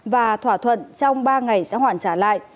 và thỏa thuận trong ba ngày sẽ hoàn trả lại